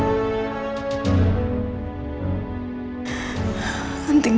aku mau denger